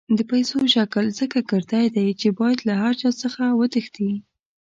د پیسو شکل ځکه ګردی دی چې باید له هر چا څخه وتښتي.